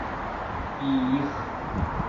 И-их!